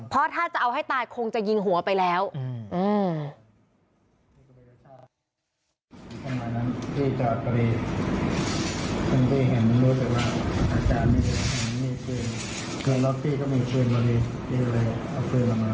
เพราะถ้าจะเอาให้ตายคงจะยิงหัวไปแล้ว